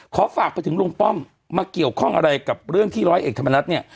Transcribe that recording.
ขอฝากไปถึงลุงป้อมมาเกี่ยวข้องอะไรกับเรื่องที่ร้อยเอกธรรมนัฐเนี่ย